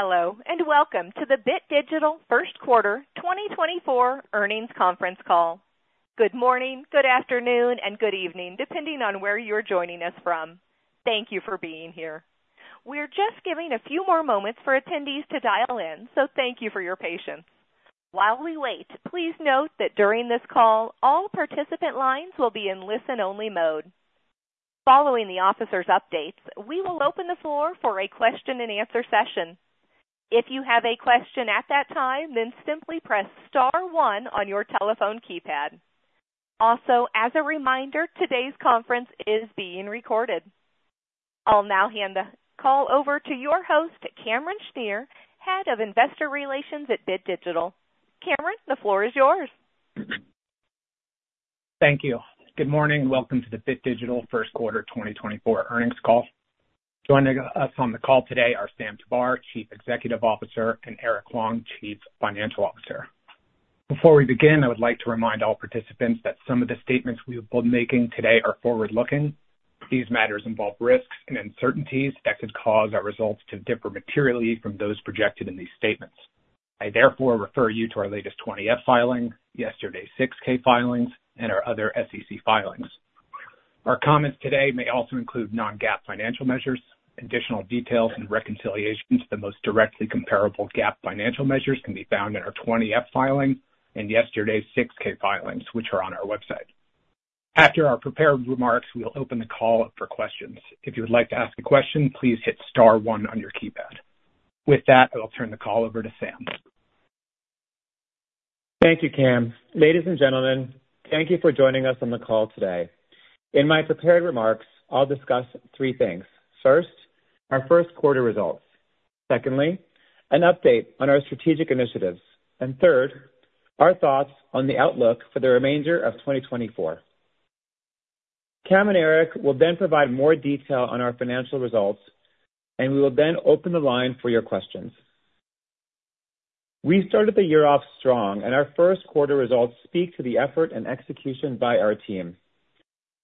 Hello, and welcome to the Bit Digital first quarter 2024 earnings conference call. Good morning, good afternoon, and good evening, depending on where you're joining us from. Thank you for being here. We're just giving a few more moments for attendees to dial in, so thank you for your patience. While we wait, please note that during this call, all participant lines will be in listen-only mode. Following the officers' updates, we will open the floor for a question-and-answer session. If you have a question at that time, then simply press star one on your telephone keypad. Also, as a reminder, today's conference is being recorded. I'll now hand the call over to your host, Cameron Schnier, Head of Investor Relations at Bit Digital. Cameron, the floor is yours. Thank you. Good morning, and welcome to the Bit Digital first quarter 2024 earnings call. Joining us on the call today are Sam Tabar, Chief Executive Officer, and Erke Huang, Chief Financial Officer. Before we begin, I would like to remind all participants that some of the statements we will be making today are forward-looking. These matters involve risks and uncertainties that could cause our results to differ materially from those projected in these statements. I therefore refer you to our latest 20-F filing, yesterday's 6-K filings, and our other SEC filings. Our comments today may also include non-GAAP financial measures. Additional details and reconciliations to the most directly comparable GAAP financial measures can be found in our 20-F filing and yesterday's 6-K filings, which are on our website. After our prepared remarks, we will open the call up for questions. If you would like to ask a question, please hit star one on your keypad. With that, I'll turn the call over to Sam. Thank you, Cam. Ladies and gentlemen, thank you for joining us on the call today. In my prepared remarks, I'll discuss three things. First, our first quarter results. Secondly, an update on our strategic initiatives. And third, our thoughts on the outlook for the remainder of 2024. Cam and Eric will then provide more detail on our financial results, and we will then open the line for your questions. We started the year off strong, and our first quarter results speak to the effort and execution by our team.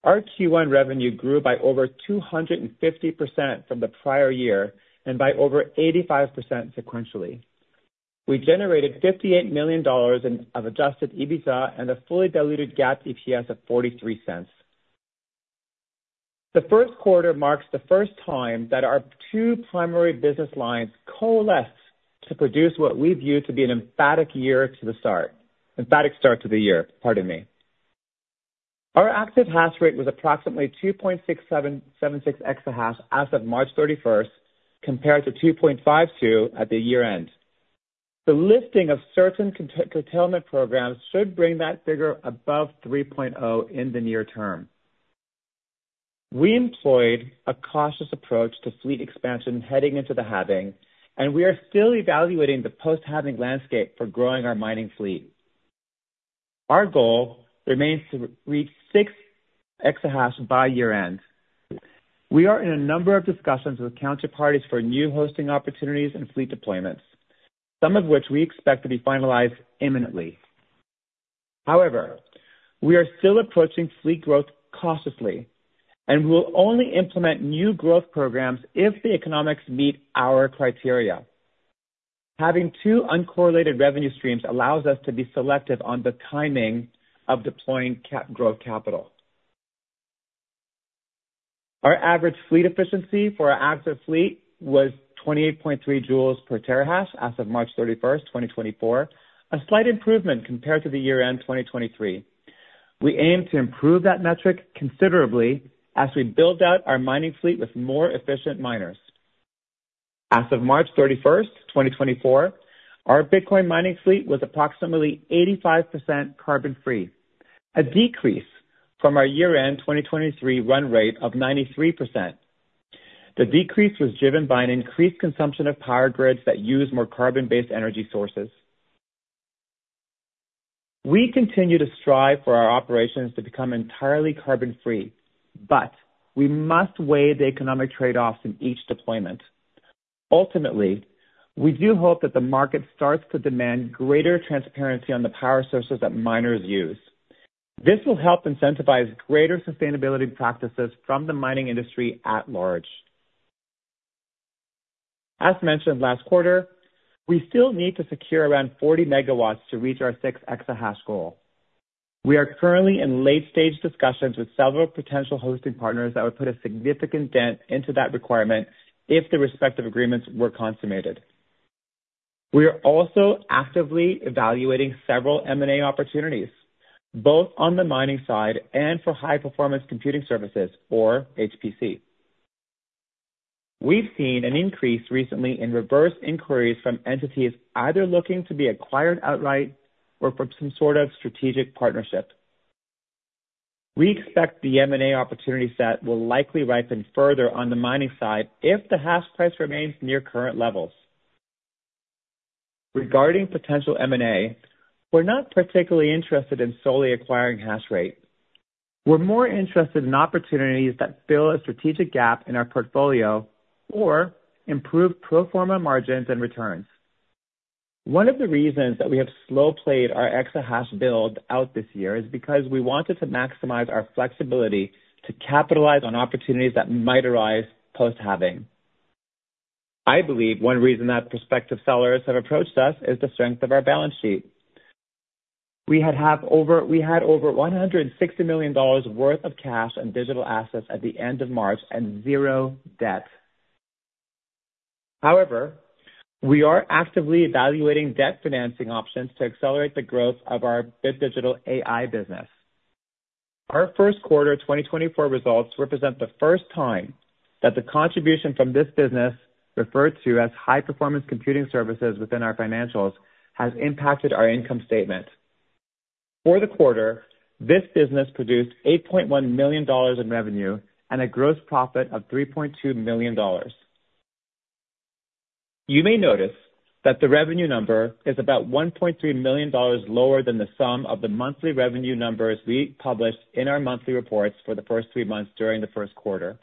Our Q1 revenue grew by over 250% from the prior year and by over 85% sequentially. We generated $58 million in adjusted EBITDA and a fully diluted GAAP EPS of $0.43. The first quarter marks the first time that our two primary business lines coalesced to produce what we view to be an emphatic start to the year. Pardon me. Our active hash rate was approximately 2.6776 exahash as of March thirty-first, compared to 2.52 at the year-end. The lifting of certain curtailment programs should bring that figure above 3.0 in the near term. We employed a cautious approach to fleet expansion heading into the halving, and we are still evaluating the post-halving landscape for growing our mining fleet. Our goal remains to reach 6 exahash by year-end. We are in a number of discussions with counterparties for new hosting opportunities and fleet deployments, some of which we expect to be finalized imminently. However, we are still approaching fleet growth cautiously, and we will only implement new growth programs if the economics meet our criteria. Having two uncorrelated revenue streams allows us to be selective on the timing of deploying growth capital. Our average fleet efficiency for our active fleet was 28.3 joules per terahash as of March 31, 2024, a slight improvement compared to the year-end 2023. We aim to improve that metric considerably as we build out our mining fleet with more efficient miners. As of March 31, 2024, our Bitcoin mining fleet was approximately 85% carbon-free, a decrease from our year-end 2023 run rate of 93%. The decrease was driven by an increased consumption of power grids that use more carbon-based energy sources. We continue to strive for our operations to become entirely carbon-free, but we must weigh the economic trade-offs in each deployment. Ultimately, we do hope that the market starts to demand greater transparency on the power sources that miners use. This will help incentivize greater sustainability practices from the mining industry at large. As mentioned last quarter, we still need to secure around 40 MW to reach our 6 exahash goal. We are currently in late-stage discussions with several potential hosting partners that would put a significant dent into that requirement if the respective agreements were consummated. We are also actively evaluating several M&A opportunities, both on the mining side and for high-performance computing services or HPC. We've seen an increase recently in reverse inquiries from entities either looking to be acquired outright or for some sort of strategic partnership. We expect the M&A opportunity set will likely ripen further on the mining side if the hash price remains near current levels. Regarding potential M&A, we're not particularly interested in solely acquiring hash rate. We're more interested in opportunities that fill a strategic gap in our portfolio or improve pro forma margins and returns. One of the reasons that we have slow-played our exahash build out this year is because we wanted to maximize our flexibility to capitalize on opportunities that might arise post-halving. I believe one reason that prospective sellers have approached us is the strength of our balance sheet. We had over $160 million worth of cash and digital assets at the end of March and zero debt. However, we are actively evaluating debt financing options to accelerate the growth of our Bit Digital AI business. Our first quarter 2024 results represent the first time that the contribution from this business, referred to as high performance computing services within our financials, has impacted our income statement. For the quarter, this business produced $8.1 million in revenue and a gross profit of $3.2 million. You may notice that the revenue number is about $1.3 million lower than the sum of the monthly revenue numbers we published in our monthly reports for the first three months during the first quarter.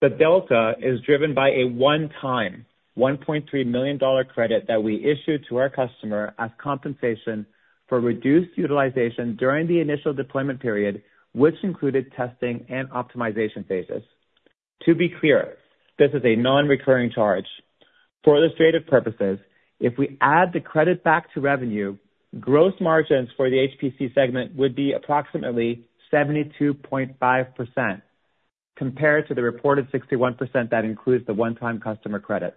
The delta is driven by a one-time $1.3 million credit that we issued to our customer as compensation for reduced utilization during the initial deployment period, which included testing and optimization phases. To be clear, this is a non-recurring charge. For illustrative purposes, if we add the credit back to revenue, gross margins for the HPC segment would be approximately 72.5%, compared to the reported 61% that includes the one-time customer credit.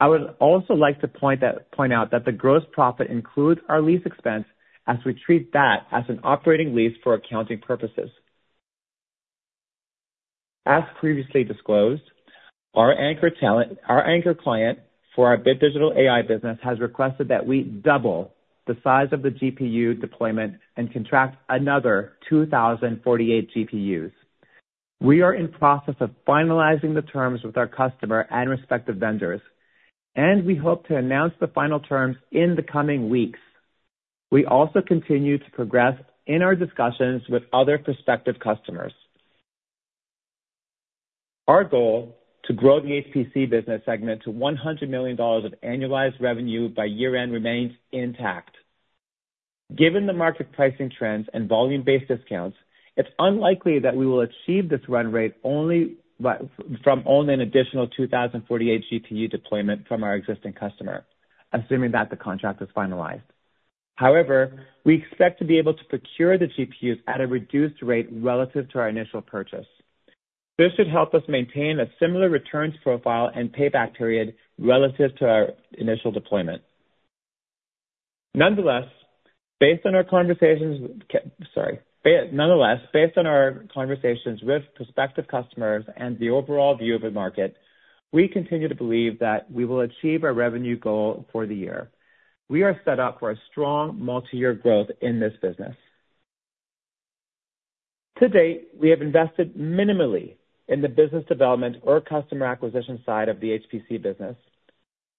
I would also like to point out that the gross profit includes our lease expense, as we treat that as an operating lease for accounting purposes. As previously disclosed, our anchor client for our Bit Digital AI business has requested that we double the size of the GPU deployment and contract another 2,048 GPUs. We are in process of finalizing the terms with our customer and respective vendors, and we hope to announce the final terms in the coming weeks. We also continue to progress in our discussions with other prospective customers. Our goal to grow the HPC business segment to $100 million of annualized revenue by year-end remains intact. Given the market pricing trends and volume-based discounts, it's unlikely that we will achieve this run rate only by, from only an additional 2,048 GPU deployment from our existing customer, assuming that the contract is finalized. However, we expect to be able to procure the GPUs at a reduced rate relative to our initial purchase. This should help us maintain a similar returns profile and payback period relative to our initial deployment. Nonetheless, based on our conversations with prospective customers and the overall view of the market, we continue to believe that we will achieve our revenue goal for the year. We are set up for a strong multi-year growth in this business. To date, we have invested minimally in the business development or customer acquisition side of the HPC business.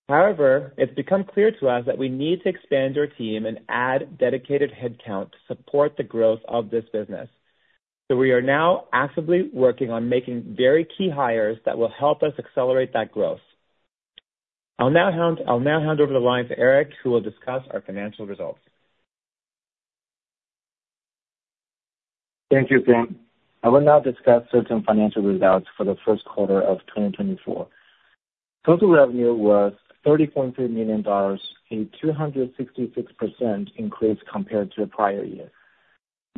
However, it's become clear to us that we need to expand our team and add dedicated headcount to support the growth of this business. So we are now actively working on making very key hires that will help us accelerate that growth. I'll now hand over the line to Eric, who will discuss our financial results. Thank you, Sam. I will now discuss certain financial results for the first quarter of 2024. Total revenue was $30.3 million, a 266% increase compared to the prior year.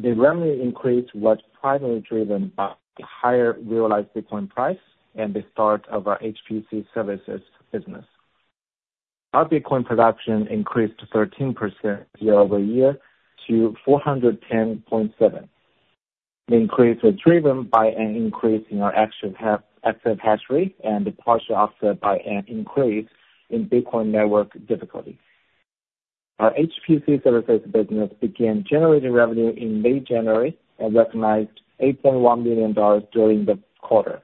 The revenue increase was primarily driven by the higher realized Bitcoin price and the start of our HPC services business. Our Bitcoin production increased 13% year-over-year to 410.7. The increase was driven by an increase in our actual active hash rate and the partial offset by an increase in Bitcoin network difficulty. Our HPC services business began generating revenue in late January and recognized $8.1 million during the quarter.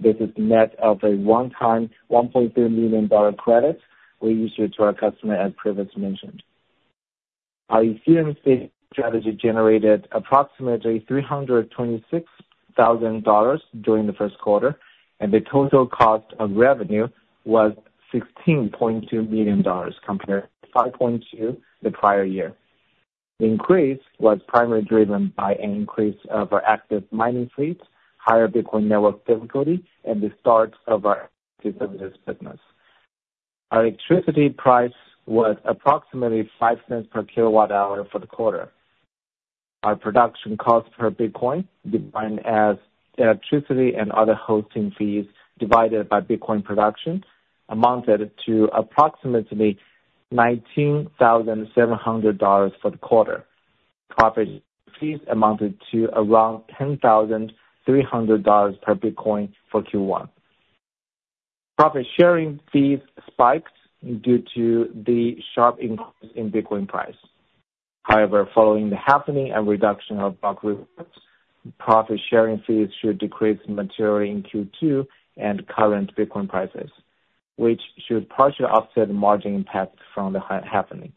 This is net of a one-time $1.3 million credit we issued to our customer, as previously mentioned. Our Ethereum stake strategy generated approximately $326,000 during the first quarter, and the total cost of revenue was $16.2 million, compared to $5.2 million the prior year. The increase was primarily driven by an increase of our active mining fleet, higher Bitcoin network difficulty, and the start of our business business. Our electricity price was approximately $0.05 per kilowatt hour for the quarter. Our production cost per Bitcoin, defined as electricity and other hosting fees divided by Bitcoin production, amounted to approximately $19,700 for the quarter. Profit fees amounted to around $10,300 per Bitcoin for Q1. Profit sharing fees spiked due to the sharp increase in Bitcoin price. However, following the halving and reduction of block rewards, profit sharing fees should decrease materially in Q2 and current Bitcoin prices, which should partially offset the margin impact from the halving.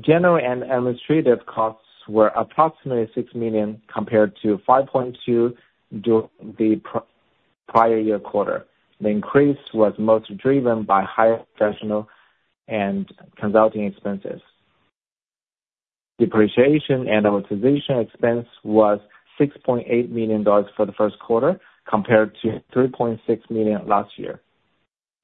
General and administrative costs were approximately $6 million compared to $5.2 million during the prior year quarter. The increase was mostly driven by higher professional and consulting expenses. Depreciation and amortization expense was $6.8 million for the first quarter, compared to $3.6 million last year,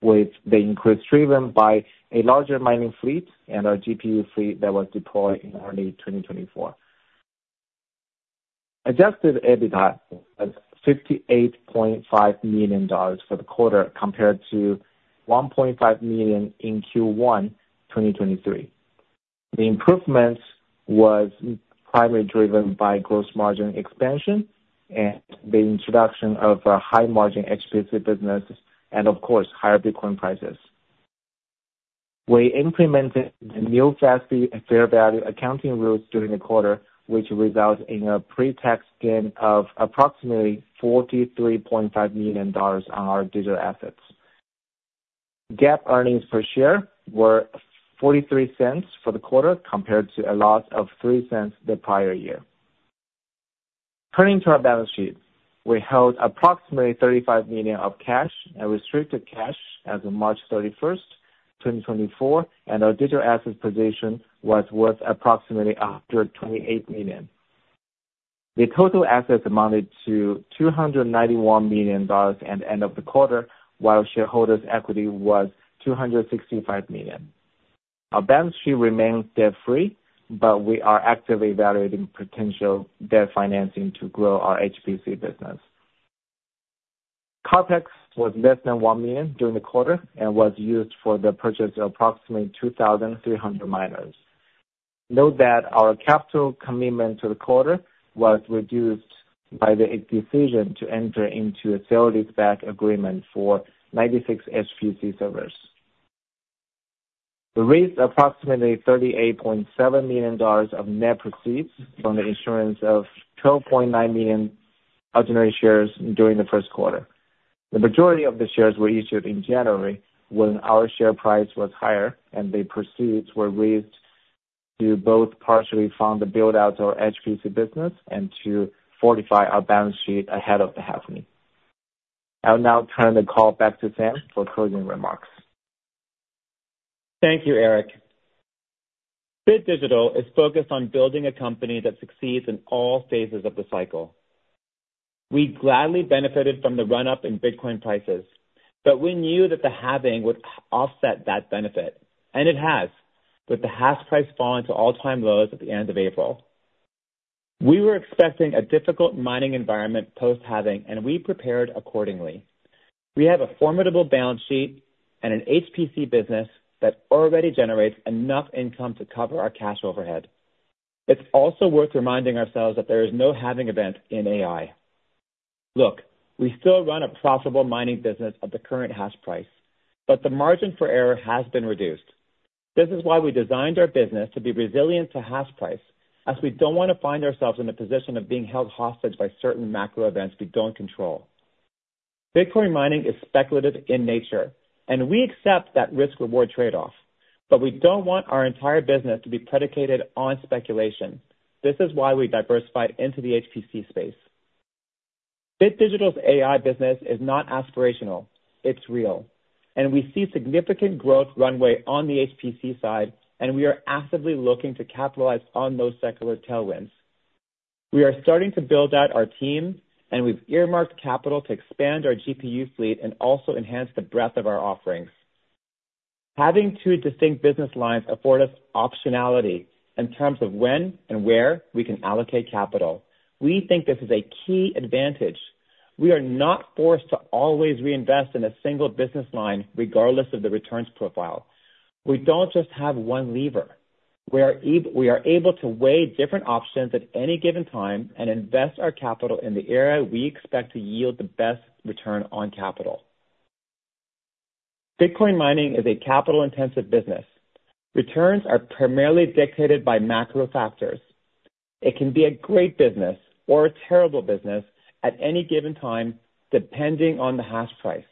with the increase driven by a larger mining fleet and our GPU fleet that was deployed in early 2024. Adjusted EBITDA of $58.5 million for the quarter, compared to $1.5 million in Q1 2023. The improvements was primarily driven by gross margin expansion and the introduction of high-margin HPC businesses and, of course, higher Bitcoin prices. We implemented the new FASB fair value accounting rules during the quarter, which results in a pre-tax gain of approximately $43.5 million on our digital assets. GAAP earnings per share were $0.43 for the quarter, compared to a loss of $0.03 the prior year. Turning to our balance sheet, we held approximately $35 million of cash and restricted cash as of March 31, 2024, and our digital assets position was worth approximately $128 million. The total assets amounted to $291 million at the end of the quarter, while shareholders' equity was $265 million. Our balance sheet remains debt-free, but we are actively evaluating potential debt financing to grow our HPC business. CapEx was less than $1 million during the quarter and was used for the purchase of approximately 2,300 miners. Note that our capital commitment to the quarter was reduced by the decision to enter into a sale-leaseback agreement for 96 HPC servers. We raised approximately $38.7 million of net proceeds from the issuance of 12.9 million ordinary shares during the first quarter. The majority of the shares were issued in January, when our share price was higher, and the proceeds were raised to both partially fund the build-out of our HPC business and to fortify our balance sheet ahead of the halving. I'll now turn the call back to Sam for closing remarks. Thank you, Erke. Bit Digital is focused on building a company that succeeds in all phases of the cycle. We gladly benefited from the run-up in Bitcoin prices, but we knew that the halving would offset that benefit, and it has, with the hash price falling to all-time lows at the end of April. We were expecting a difficult mining environment post-halving, and we prepared accordingly. We have a formidable balance sheet and an HPC business that already generates enough income to cover our cash overhead. It's also worth reminding ourselves that there is no halving event in AI. Look, we still run a profitable mining business at the current hash price, but the margin for error has been reduced. This is why we designed our business to be resilient to hash price, as we don't want to find ourselves in the position of being held hostage by certain macro events we don't control. Bitcoin mining is speculative in nature, and we accept that risk/reward trade-off, but we don't want our entire business to be predicated on speculation. This is why we diversified into the HPC space. Bit Digital's AI business is not aspirational, it's real, and we see significant growth runway on the HPC side, and we are actively looking to capitalize on those secular tailwinds. We are starting to build out our team, and we've earmarked capital to expand our GPU fleet and also enhance the breadth of our offerings. Having two distinct business lines afford us optionality in terms of when and where we can allocate capital. We think this is a key advantage. We are not forced to always reinvest in a single business line, regardless of the returns profile. We don't just have one lever. We are able to weigh different options at any given time and invest our capital in the area we expect to yield the best return on capital. Bitcoin mining is a capital-intensive business. Returns are primarily dictated by macro factors. It can be a great business or a terrible business at any given time, depending on the hash price.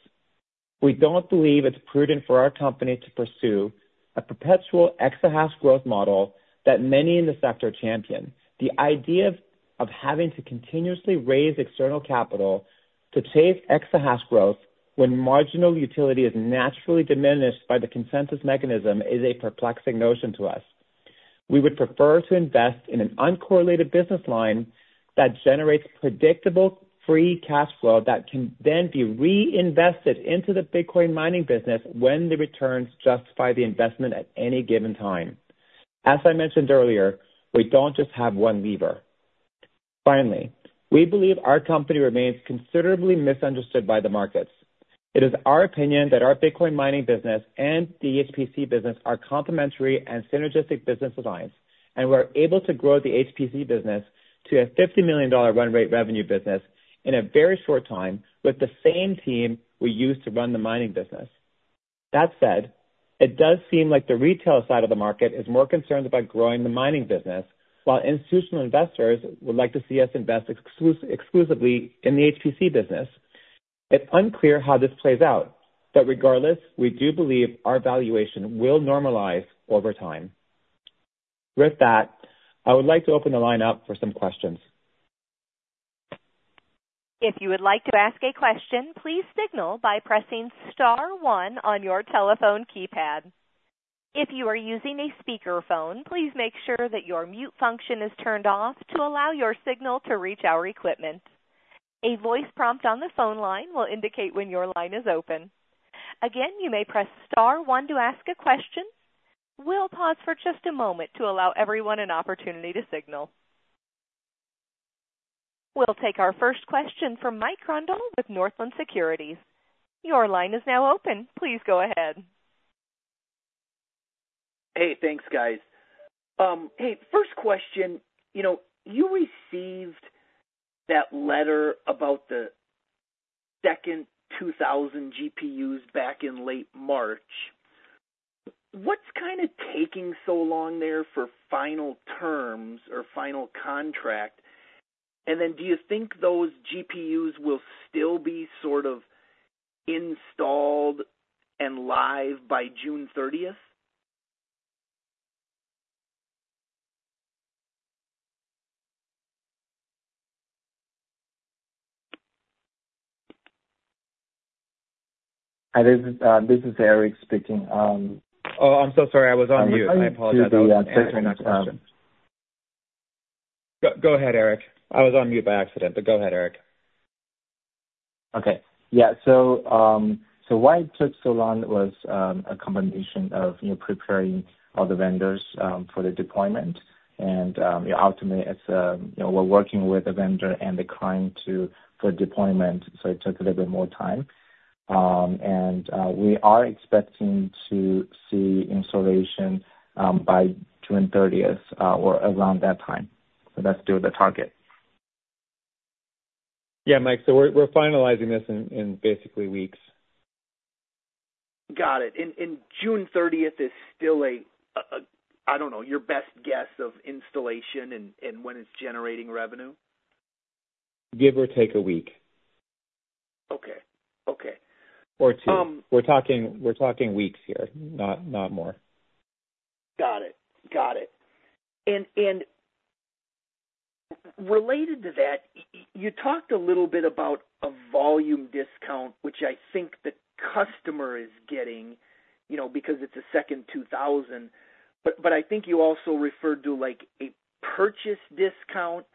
We don't believe it's prudent for our company to pursue a perpetual exahash growth model that many in the sector champion. The idea of having to continuously raise external capital to chase exahash growth when marginal utility is naturally diminished by the consensus mechanism is a perplexing notion to us. We would prefer to invest in an uncorrelated business line that generates predictable free cash flow that can then be reinvested into the Bitcoin mining business when the returns justify the investment at any given time. As I mentioned earlier, we don't just have one lever. Finally, we believe our company remains considerably misunderstood by the markets. It is our opinion that our Bitcoin mining business and the HPC business are complementary and synergistic business lines, and we're able to grow the HPC business to a $50 million run rate revenue business in a very short time with the same team we use to run the mining business. That said, it does seem like the retail side of the market is more concerned about growing the mining business, while institutional investors would like to see us invest exclusively in the HPC business.... It's unclear how this plays out, but regardless, we do believe our valuation will normalize over time. With that, I would like to open the line up for some questions. If you would like to ask a question, please signal by pressing star one on your telephone keypad. If you are using a speakerphone, please make sure that your mute function is turned off to allow your signal to reach our equipment. A voice prompt on the phone line will indicate when your line is open. Again, you may press star one to ask a question. We'll pause for just a moment to allow everyone an opportunity to signal. We'll take our first question from Michael Grondahl with Northland Securities. Your line is now open. Please go ahead. Hey, thanks, guys. Hey, first question. You know, you received that letter about the second 2,000 GPUs back in late March. What's kind of taking so long there for final terms or final contract? And then do you think those GPUs will still be sort of installed and live by June thirtieth? Hi, this is Erke speaking. Oh, I'm so sorry. I was on mute. I apologize. Answer your next question. Go, go ahead, Erke. I was on mute by accident, but go ahead, Erke. Okay. Yeah. So why it took so long was a combination of, you know, preparing all the vendors for the deployment. And ultimately, it's, you know, we're working with the vendor and the client to for deployment, so it took a little bit more time. And we are expecting to see installation by June thirtieth or around that time. So that's still the target. Yeah, Mike, so we're finalizing this in basically weeks. Got it. And June thirtieth is still, I don't know, your best guess of installation and when it's generating revenue? Give or take a week. Okay. Okay. Or two. Um- We're talking weeks here, not more. Got it. Got it. And related to that, you talked a little bit about a volume discount, which I think the customer is getting, you know, because it's a second 2000, but I think you also referred to, like, a purchase discount.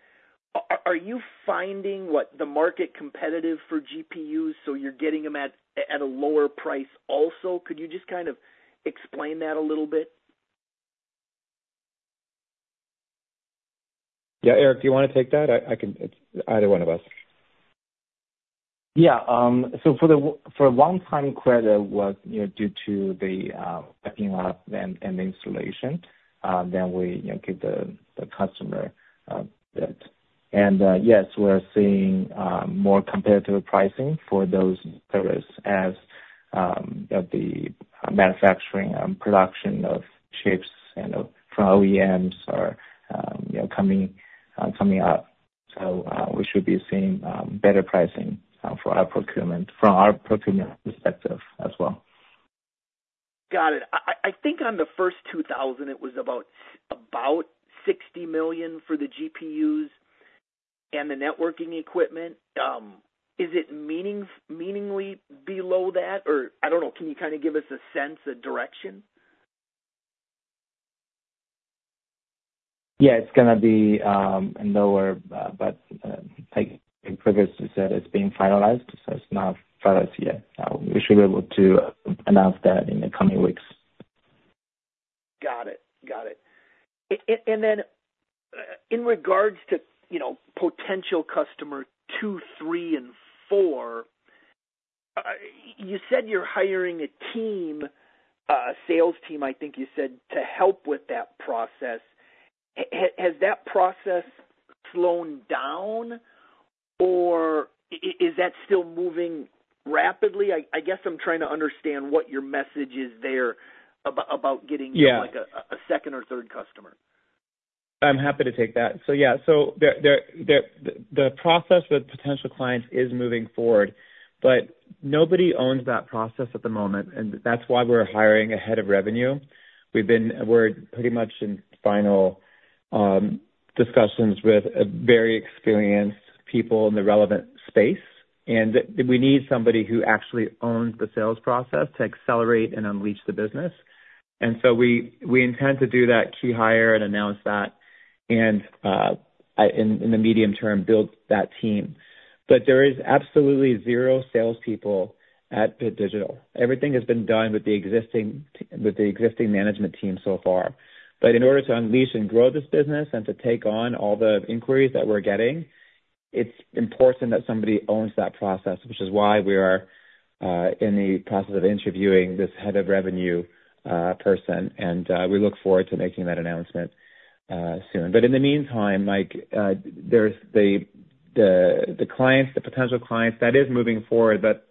Are you finding the market competitive for GPUs, so you're getting them at a lower price also? Could you just kind of explain that a little bit? Yeah, Erke, do you want to take that? I, I can... It's either one of us. Yeah. So for a one-time credit was, you know, due to the setting up and the installation, then we, you know, give the customer that. And yes, we're seeing more competitive pricing for those servers as the manufacturing and production of chips and from OEMs are, you know, coming up. So we should be seeing better pricing for our procurement, from our procurement perspective as well. Got it. I think on the first 2,000, it was about $60 million for the GPUs and the networking equipment. Is it meaningfully below that? Or I don't know, can you kind of give us a sense, a direction? Yeah, it's gonna be lower, but like previously said, it's being finalized, so it's not finalized yet. We should be able to announce that in the coming weeks. Got it. Got it. And then, in regards to, you know, potential customer two, three, and four, you said you're hiring a team, a sales team, I think you said, to help with that process. Has that process slowed down, or is that still moving rapidly? I guess I'm trying to understand what your message is there about, about getting- Yeah like, a second or third customer. I'm happy to take that. So, yeah, so the process with potential clients is moving forward, but nobody owns that process at the moment, and that's why we're hiring a head of revenue. We've been... We're pretty much in final discussions with a very experienced people in the relevant space, and we need somebody who actually owns the sales process to accelerate and unleash the business. And so we intend to do that key hire and announce that and in the medium term, build that team. But there is absolutely zero salespeople at Bit Digital. Everything has been done with the existing management team so far. But in order to unleash and grow this business and to take on all the inquiries that we're getting, it's important that somebody owns that process, which is why we are in the process of interviewing this head of revenue person, and we look forward to making that announcement soon. But in the meantime, Mike, there's the clients, the potential clients, that is moving forward, but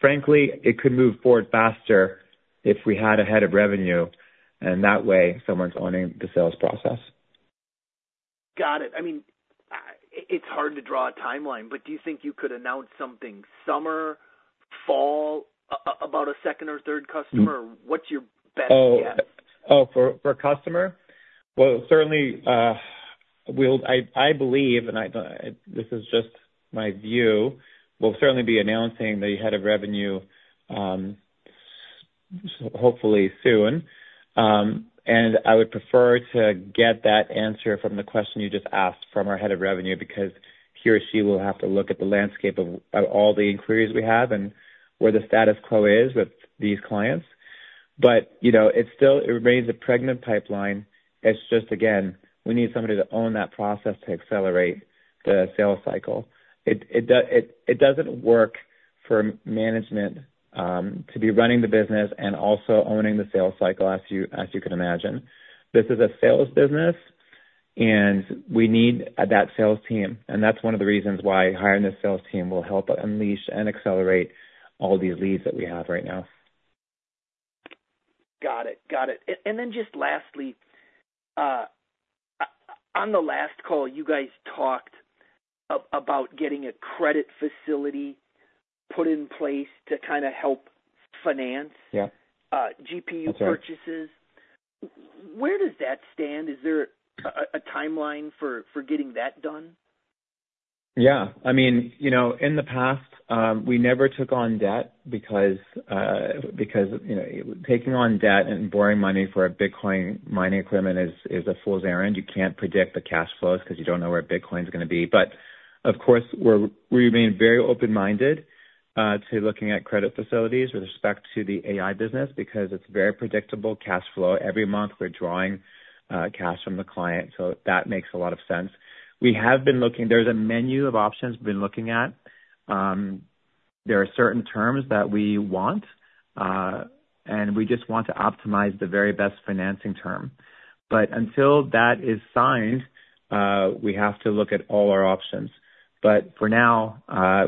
frankly, it could move forward faster if we had a head of revenue, and that way someone's owning the sales process.... Got it. I mean, it's hard to draw a timeline, but do you think you could announce something summer, fall, about a second or third customer? What's your best guess? Oh, for a customer? Well, certainly, we'll. I believe, and I don't, this is just my view, we'll certainly be announcing the head of revenue, hopefully soon. And I would prefer to get that answer from the question you just asked from our head of revenue, because he or she will have to look at the landscape of all the inquiries we have and where the status quo is with these clients. But, you know, it's still, it remains a pregnant pipeline. It's just, again, we need somebody to own that process to accelerate the sales cycle. It doesn't work for management to be running the business and also owning the sales cycle, as you can imagine. This is a sales business, and we need that sales team, and that's one of the reasons why hiring the sales team will help unleash and accelerate all these leads that we have right now. Got it. Got it. And then just lastly, on the last call, you guys talked about getting a credit facility put in place to kind of help finance- Yeah. - GPU purchases. That's right. Where does that stand? Is there a timeline for getting that done? Yeah. I mean, you know, in the past, we never took on debt because, because, you know, taking on debt and borrowing money for a Bitcoin mining equipment is a fool's errand. You can't predict the cash flows because you don't know where Bitcoin's gonna be. But of course, we remain very open-minded to looking at credit facilities with respect to the AI business, because it's very predictable cash flow. Every month, we're drawing cash from the client, so that makes a lot of sense. We have been looking... There's a menu of options we've been looking at. There are certain terms that we want, and we just want to optimize the very best financing term. But until that is signed, we have to look at all our options. But for now,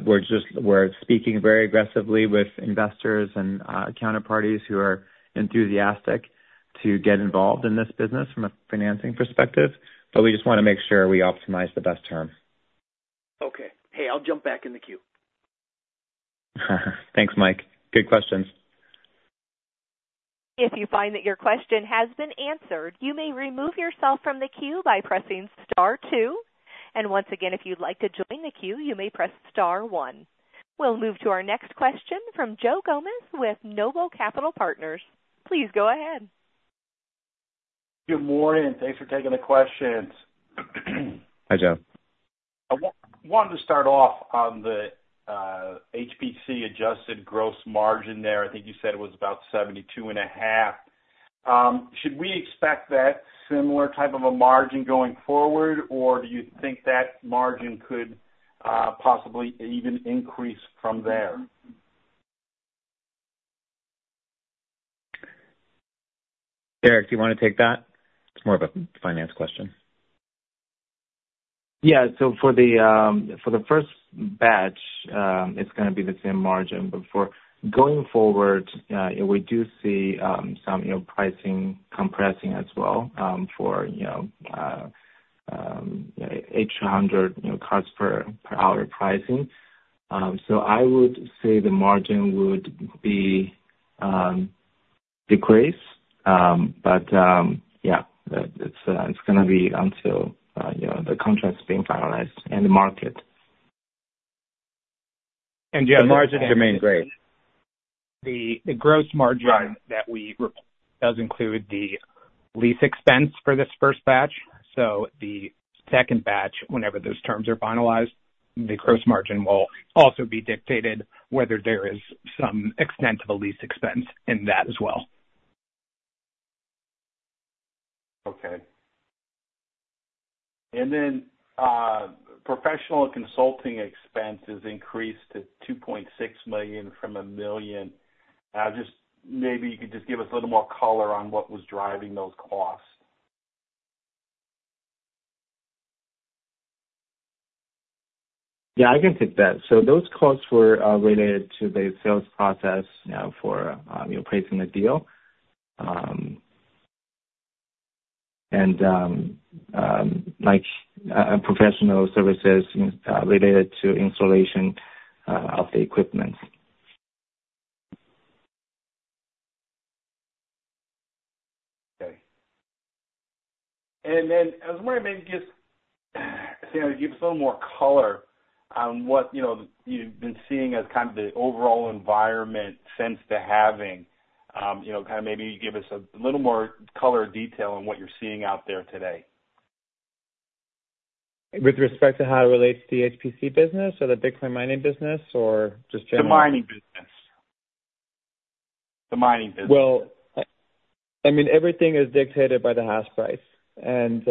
we're just speaking very aggressively with investors and counterparties who are enthusiastic to get involved in this business from a financing perspective, but we just wanna make sure we optimize the best term. Okay. Hey, I'll jump back in the queue. Thanks, Mike. Good questions. If you find that your question has been answered, you may remove yourself from the queue by pressing star two. Once again, if you'd like to join the queue, you may press star one. We'll move to our next question from Joe Gomes with Noble Capital Partners. Please go ahead. Good morning. Thanks for taking the questions. Hi, Joe. I wanted to start off on the HPC adjusted gross margin there. I think you said it was about 72.5. Should we expect that similar type of a margin going forward, or do you think that margin could possibly even increase from there? Eric, do you want to take that? It's more of a finance question. Yeah. So for the first batch, it's gonna be the same margin, but for going forward, we do see some, you know, pricing compressing as well for, you know, $800, you know, cost per hour pricing. So I would say the margin would be decrease, but yeah, it's gonna be until, you know, the contract's being finalized in the market. The margins remain great. The gross margin that we report does include the lease expense for this first batch, so the second batch, whenever those terms are finalized, the gross margin will also be dictated whether there is some extent of a lease expense in that as well. Okay. And then, professional consulting expenses increased to $2.6 million from $1 million. Just maybe you could just give us a little more color on what was driving those costs. Yeah, I can take that. So those costs were related to the sales process, you know, for, you know, pricing the deal, and, like, professional services related to installation of the equipment. Okay. And then I was wondering, maybe just, Sam, give us a little more color on what, you know, you've been seeing as kind of the overall environment since the halving. You know, kind of maybe give us a little more color or detail on what you're seeing out there today. With respect to how it relates to the HPC business or the Bitcoin mining business, or just generally? The mining business. The mining business. Well, I mean, everything is dictated by the hash price. And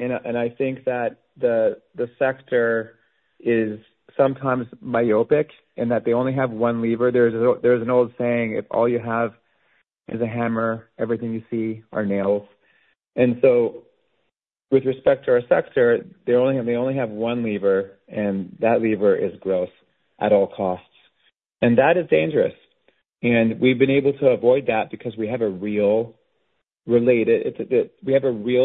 I think that the sector is sometimes myopic and that they only have one lever. There's an old saying, "If all you have is a hammer, everything you see are nails." And so with respect to our sector, they only have one lever, and that lever is growth at all costs, and that is dangerous. And we've been able to avoid that because we have a real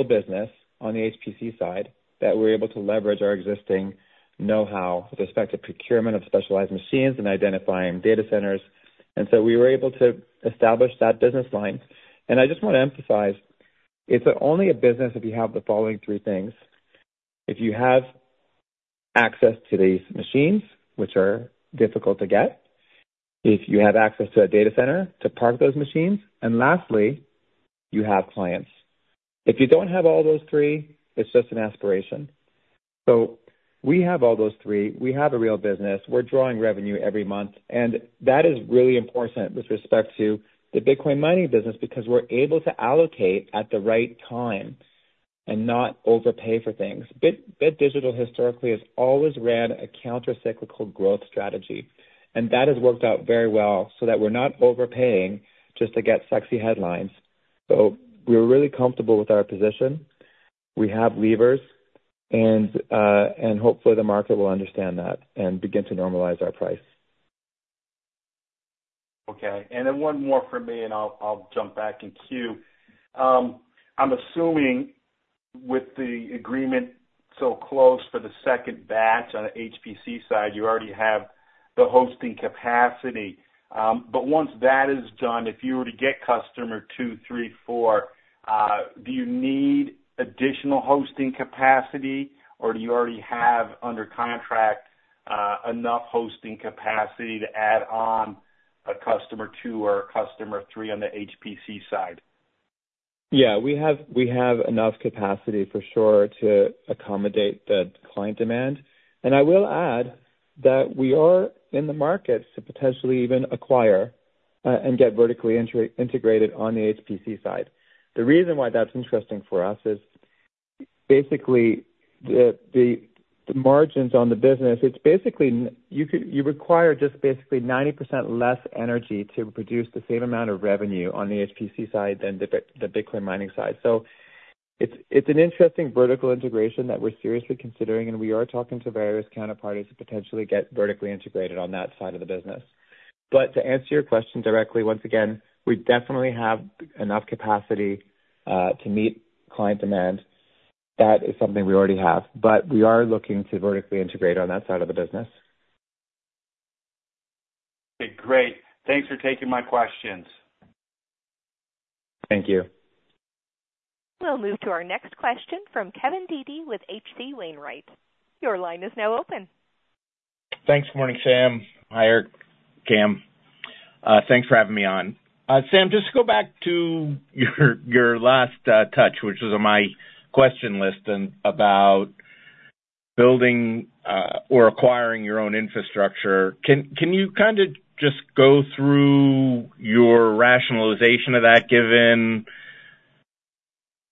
business on the HPC side that we're able to leverage our existing know-how with respect to procurement of specialized machines and identifying data centers. And so we were able to establish that business line. I just want to emphasize, it's only a business if you have the following three things: If you have access to these machines, which are difficult to get, if you have access to a data center to park those machines, and lastly, you have clients. If you don't have all those three, it's just an aspiration. We have all those three. We have a real business. We're drawing revenue every month, and that is really important with respect to the Bitcoin mining business, because we're able to allocate at the right time and not overpay for things. Bit, Bit Digital historically has always ran a countercyclical growth strategy, and that has worked out very well so that we're not overpaying just to get sexy headlines. We're really comfortable with our position. We have levers, and hopefully, the market will understand that and begin to normalize our price. Okay, and then one more from me, and I'll jump back in queue. I'm assuming with the agreement so close for the second batch on the HPC side, you already have the hosting capacity. But once that is done, if you were to get customer two, three, four, do you need additional hosting capacity, or do you already have, under contract, enough hosting capacity to add on a customer two or a customer three on the HPC side? Yeah, we have enough capacity for sure to accommodate the client demand. And I will add that we are in the market to potentially even acquire and get vertically inter-integrated on the HPC side. The reason why that's interesting for us is basically the margins on the business, it's basically you could require just basically 90% less energy to produce the same amount of revenue on the HPC side than the Bitcoin mining side. So it's an interesting vertical integration that we're seriously considering, and we are talking to various counterparties to potentially get vertically integrated on that side of the business. But to answer your question directly, once again, we definitely have enough capacity to meet client demand. That is something we already have, but we are looking to vertically integrate on that side of the business. Okay, great. Thanks for taking my questions. Thank you. We'll move to our next question from Kevin Dede with H.C. Wainwright. Your line is now open. Thanks. Morning, Sam. Hi, Erke, Cam. Thanks for having me on. Sam, just to go back to your, your last touch, which was on my question list and about building or acquiring your own infrastructure. Can you kind of just go through your rationalization of that, given,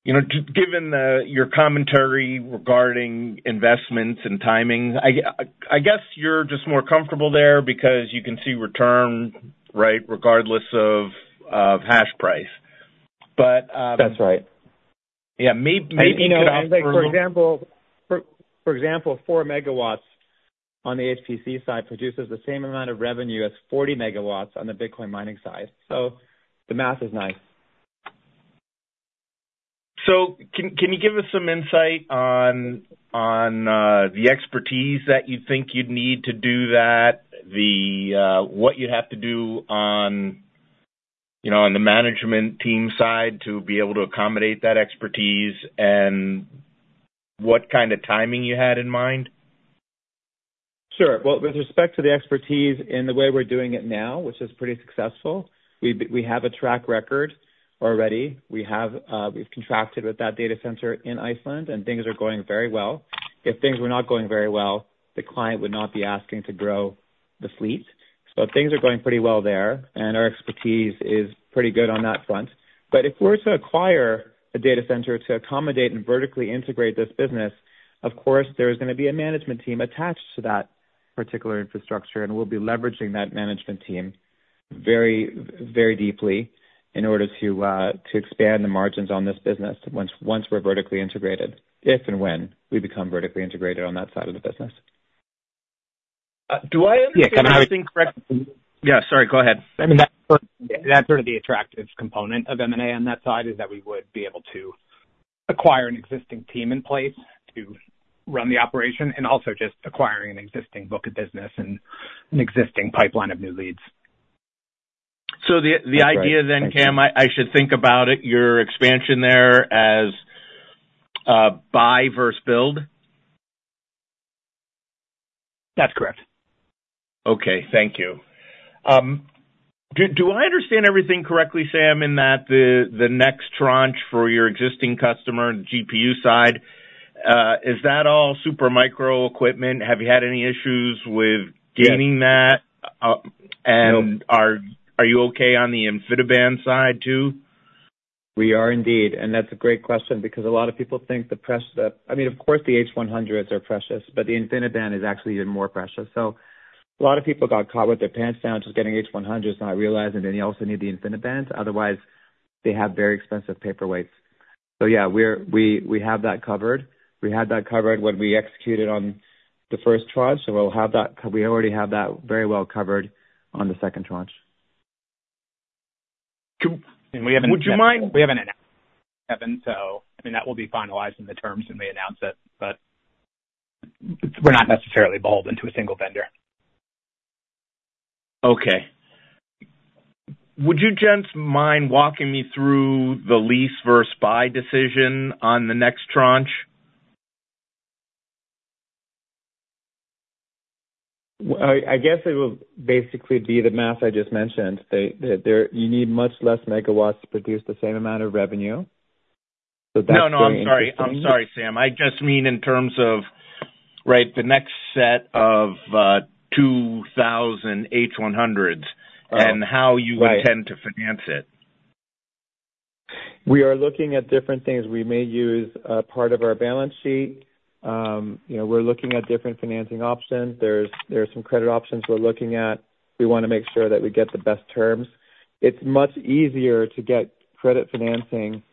you know, given your commentary regarding investments and timing? I guess you're just more comfortable there because you can see return, right, regardless of hash price. But, That's right. Yeah, maybe, you know- For example, 4 MW on the HPC side produces the same amount of revenue as 40 MW on the Bitcoin mining side. So the math is nice. So can you give us some insight on the expertise that you think you'd need to do that, the what you'd have to do on, you know, on the management team side to be able to accommodate that expertise, and what kind of timing you had in mind? Sure. Well, with respect to the expertise in the way we're doing it now, which is pretty successful, we have a track record already. We have, we've contracted with that data center in Iceland, and things are going very well. If things were not going very well, the client would not be asking to grow the fleet. So things are going pretty well there, and our expertise is pretty good on that front. But if we're to acquire a data center to accommodate and vertically integrate this business, of course, there's gonna be a management team attached to that particular infrastructure, and we'll be leveraging that management team very, very deeply in order to to expand the margins on this business once, once we're vertically integrated, if and when we become vertically integrated on that side of the business. Do I understand- Yeah, can I- Yeah, sorry, go ahead. That's sort of the attractive component of M&A on that side, is that we would be able to acquire an existing team in place to run the operation, and also just acquiring an existing book of business and an existing pipeline of new leads. So the idea then, Cam, I should think about it, your expansion there, as buy versus build? That's correct. Okay, thank you. Do I understand everything correctly, Sam, in that the next tranche for your existing customer, the GPU side, is that all Super Micro equipment? Have you had any issues with- Yeah... getting that? No Are you okay on the InfiniBand side, too? We are indeed, and that's a great question because a lot of people think the press, the... I mean, of course, the H100s are precious, but the InfiniBand is actually even more precious. So a lot of people got caught with their pants down just getting H100s, not realizing they also need the InfiniBand. Otherwise, they have very expensive paperweights.... So yeah, we have that covered. We had that covered when we executed on the first tranche, so we'll have that, we already have that very well covered on the second tranche. Could, and we haven't- Would you mind? We haven't announced, Kevin, so I mean, that will be finalized in the terms when we announce it, but we're not necessarily beholden to a single vendor. Okay. Would you gents mind walking me through the lease versus buy decision on the next tranche? Well, I guess it will basically be the math I just mentioned. That there, you need much less megawatts to produce the same amount of revenue, so that's very- No, no, I'm sorry. I'm sorry, Sam. I just mean in terms of, right, the next set of 2,000 H100s and how you intend to finance it. We are looking at different things. We may use part of our balance sheet. You know, we're looking at different financing options. There are some credit options we're looking at. We wanna make sure that we get the best terms. It's much easier to get credit financing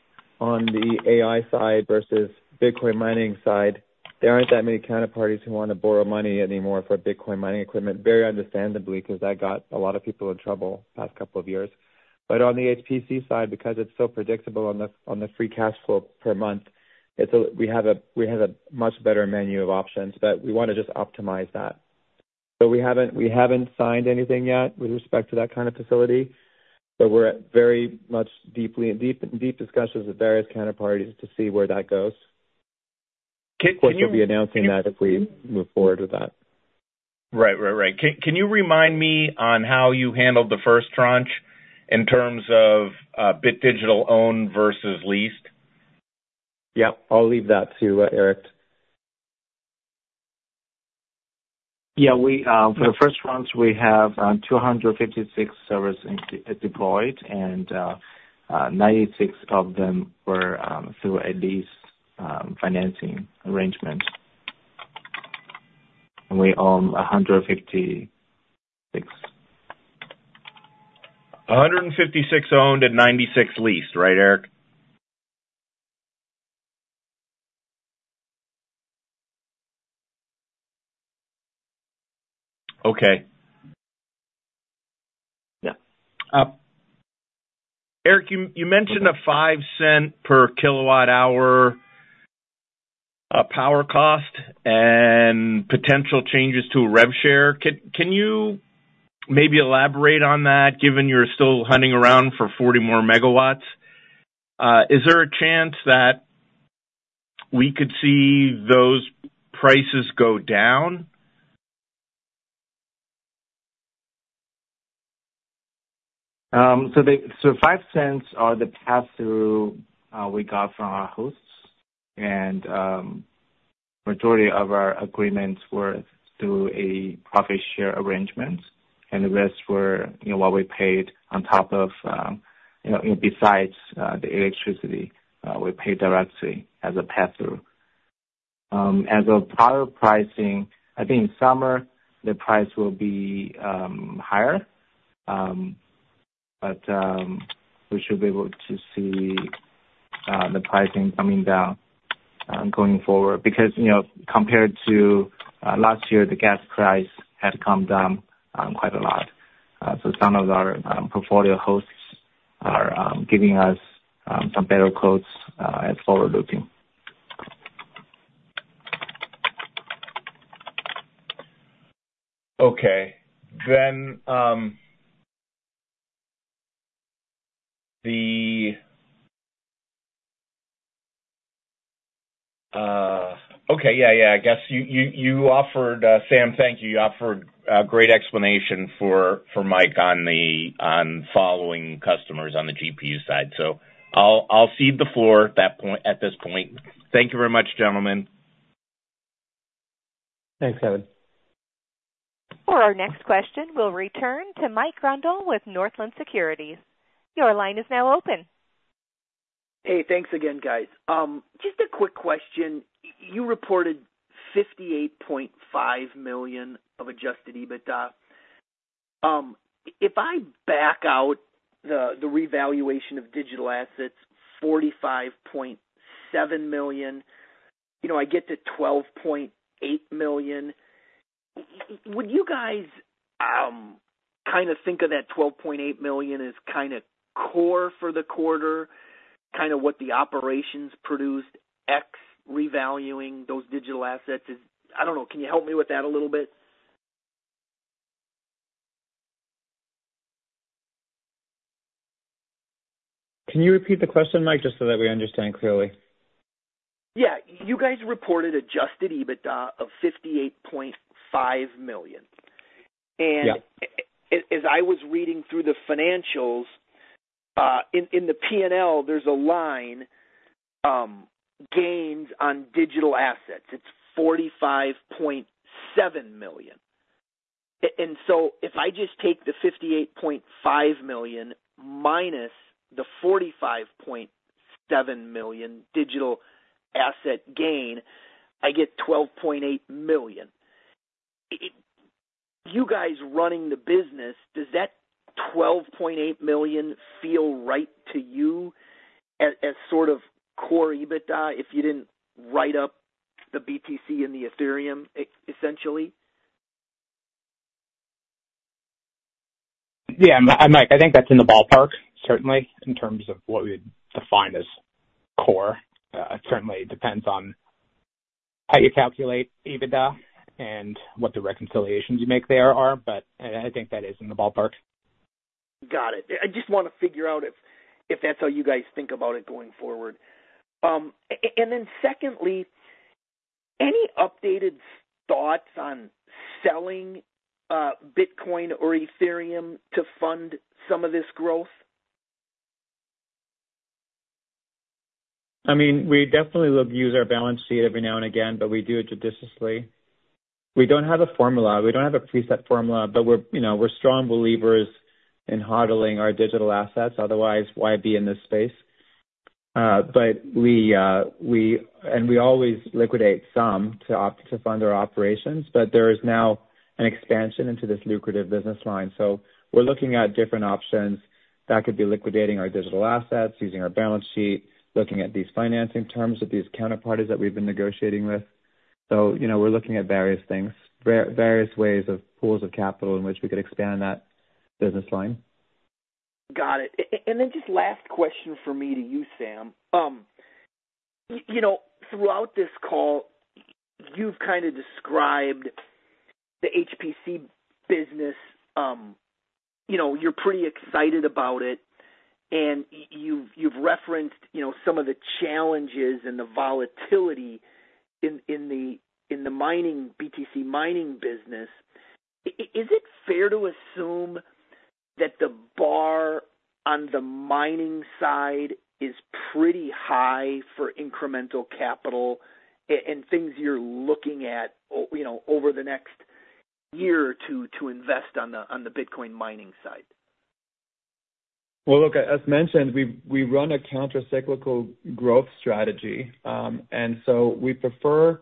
on the AI side versus Bitcoin mining side. There aren't that many counterparties who wanna borrow money anymore for Bitcoin mining equipment, very understandably, because that got a lot of people in trouble the past couple of years. But on the HPC side, because it's so predictable on the free cash flow per month, we have a much better menu of options, but we wanna just optimize that. So we haven't signed anything yet with respect to that kind of facility, but we're very much in deep discussions with various counterparties to see where that goes. Can you- Of course, we'll be announcing that as we move forward with that. Right, right, right. Can you remind me on how you handled the first tranche in terms of Bit Digital owned versus leased? Yeah, I'll leave that to Erke. Yeah, for the first tranche, we have 256 servers deployed, and 96 of them were through a lease financing arrangement. We own 156. 156 owned and 96 leased, right, Erke? Okay. Yeah. Eric, you mentioned a $0.05 per kWh power cost and potential changes to a rev share. Can you maybe elaborate on that, given you're still hunting around for 40 more MW? Is there a chance that we could see those prices go down? So five cents are the pass-through we got from our hosts, and majority of our agreements were through a profit share arrangement, and the rest were, you know, what we paid on top of, you know, besides the electricity, we paid directly as a pass-through. As a power pricing, I think in summer the price will be higher. But we should be able to see the pricing coming down going forward. Because, you know, compared to last year, the gas price has come down quite a lot. So some of our portfolio hosts are giving us some better quotes as forward looking. Okay. Then, Okay, yeah, yeah, I guess you offered, Sam, thank you. You offered a great explanation for Mike on following customers on the GPU side. So I'll cede the floor at that point, at this point. Thank you very much, gentlemen. Thanks, Kevin. For our next question, we'll return to Michael Grondahl with Northland Securities. Your line is now open. Hey, thanks again, guys. Just a quick question. You reported $58.5 million of Adjusted EBITDA. If I back out the revaluation of digital assets, $45.7 million, you know, I get to $12.8 million. Would you guys kind of think of that $12.8 million as kind of core for the quarter, kind of what the operations produced, ex revaluing those digital assets? I don't know. Can you help me with that a little bit? Can you repeat the question, Micheal, just so that we understand clearly? Yeah. You guys reported adjusted EBITDA of $58.5 million. Yeah. As I was reading through the financials, in the P&L, there's a line, gains on digital assets. It's $45.7 million. And so if I just take the $58.5 million, minus the $45.7 million digital asset gain, I get $12.8 million. You guys running the business, does that $12.8 million feel right to you as, as sort of core EBITDA, if you didn't write up the BTC and the Ethereum, essentially? Yeah, Mike, I think that's in the ballpark, certainly, in terms of what we would define as core. It certainly depends on how you calculate EBITDA and what the reconciliations you make there are, but I think that is in the ballpark. Got it. I just wanna figure out if that's how you guys think about it going forward. And then secondly, any updated thoughts on selling Bitcoin or Ethereum to fund some of this growth? I mean, we definitely look to use our balance sheet every now and again, but we do it judiciously. We don't have a formula, we don't have a preset formula, but we're, you know, we're strong believers in HODLing our digital assets, otherwise, why be in this space? But we always liquidate some to fund our operations, but there is now an expansion into this lucrative business line. So we're looking at different options. That could be liquidating our digital assets, using our balance sheet, looking at these financing terms with these counterparties that we've been negotiating with. So, you know, we're looking at various things, various ways of pools of capital in which we could expand that business line. Got it. And then just last question from me to you, Sam. You know, throughout this call, you've kind of described the HPC business, you know, you're pretty excited about it, and you've referenced, you know, some of the challenges and the volatility in the mining, BTC mining business. Is it fair to assume that the bar on the mining side is pretty high for incremental capital and things you're looking at, you know, over the next year or two to invest on the Bitcoin mining side? Well, look, as mentioned, we run a countercyclical growth strategy. And so we prefer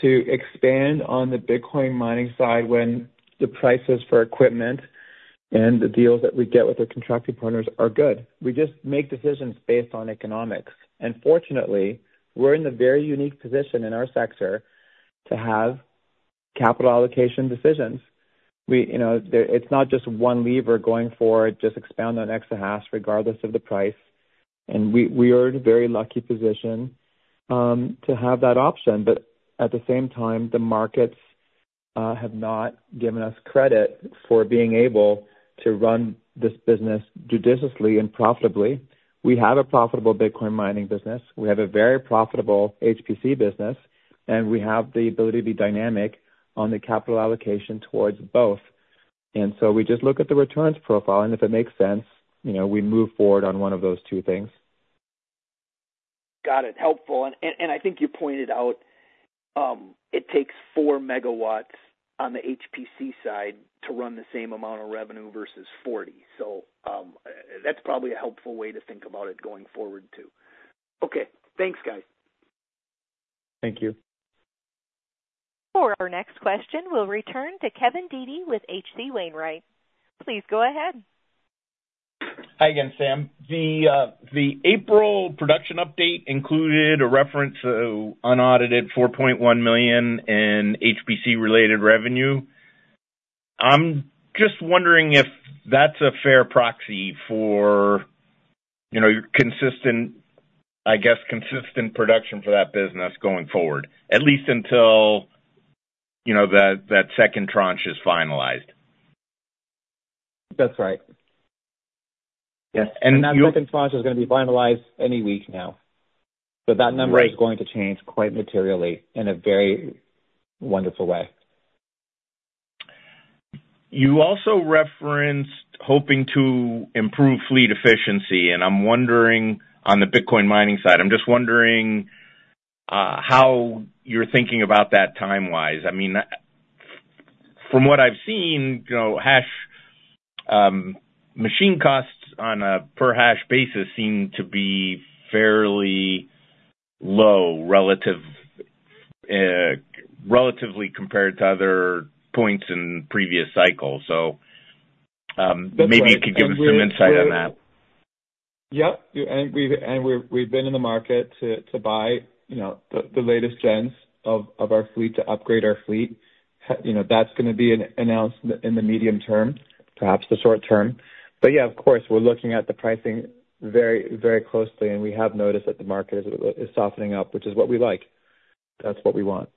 to expand on the Bitcoin mining side when the prices for equipment and the deals that we get with our contracted partners are good. We just make decisions based on economics, and fortunately, we're in the very unique position in our sector to have capital allocation decisions. We, you know, it's not just one lever going forward, just expand on exahash regardless of the price, and we are in a very lucky position to have that option. But at the same time, the markets have not given us credit for being able to run this business judiciously and profitably. We have a profitable Bitcoin mining business. We have a very profitable HPC business, and we have the ability to be dynamic on the capital allocation towards both. And so we just look at the returns profile, and if it makes sense, you know, we move forward on one of those two things. Got it. Helpful. And I think you pointed out, it takes 4 MW on the HPC side to run the same amount of revenue versus 40. So, that's probably a helpful way to think about it going forward, too. Okay, thanks, guys. Thank you. For our next question, we'll return to Kevin Dede with H.C. Wainwright. Please go ahead. Hi again, Sam. The April production update included a reference to unaudited $4.1 million in HPC-related revenue. I'm just wondering if that's a fair proxy for, you know, your consistent, I guess, consistent production for that business going forward, at least until, you know, that, that second tranche is finalized. That's right. Yes, and that second tranche is gonna be finalized any week now. Great. That number is going to change quite materially in a very wonderful way. You also referenced hoping to improve fleet efficiency, and I'm wondering, on the Bitcoin mining side, I'm just wondering, how you're thinking about that time-wise. I mean, from what I've seen, you know, hash, machine costs on a per-hash basis seem to be fairly low, relative, relatively compared to other points in previous cycles. So, That's right, and we're- Maybe you could give some insight on that. Yep, we've been in the market to buy, you know, the latest gens of our fleet, to upgrade our fleet. You know, that's gonna be an announcement in the medium term, perhaps the short term. But yeah, of course, we're looking at the pricing very, very closely, and we have noticed that the market is softening up, which is what we like. That's what we want.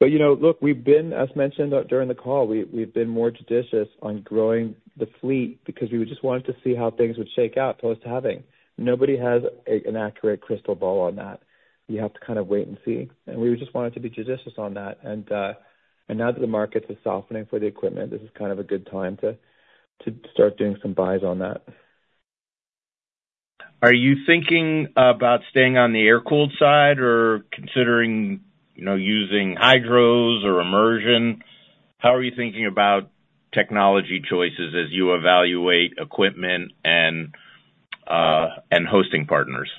But, you know, look, we've been, as mentioned, during the call, we've been more judicious on growing the fleet because we were just wanting to see how things would shake out post-halving. Nobody has an accurate crystal ball on that. You have to kind of wait and see, and we just wanted to be judicious on that. Now that the markets are softening for the equipment, this is kind of a good time to start doing some buys on that. Are you thinking about staying on the air-cooled side or considering, you know, using hydros or immersion? How are you thinking about technology choices as you evaluate equipment and hosting partners?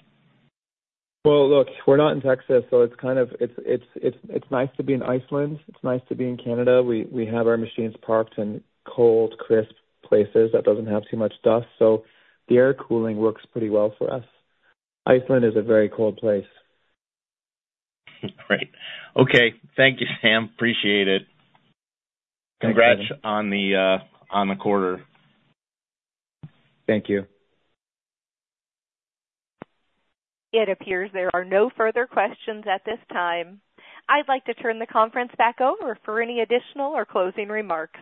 Well, look, we're not in Texas, so it's kind of—it's nice to be in Iceland. It's nice to be in Canada. We have our machines parked in cold, crisp places that doesn't have too much dust, so the air cooling works pretty well for us. Iceland is a very cold place. Great. Okay. Thank you, Sam. Appreciate it. Thank you. Congrats on the quarter. Thank you. It appears there are no further questions at this time. I'd like to turn the conference back over for any additional or closing remarks.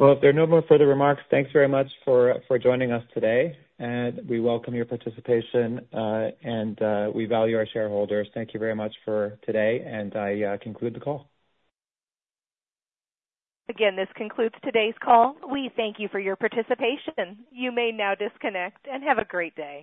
Well, if there are no more further remarks, thanks very much for joining us today, and we welcome your participation, and we value our shareholders. Thank you very much for today, and I conclude the call. Again, this concludes today's call. We thank you for your participation. You may now disconnect and have a great day.